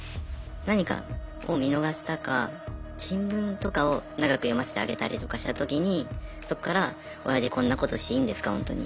何かを見逃したか新聞とかを長く読ませてあげたりとかしたときにそっからオヤジこんなことしていいんですかほんとに。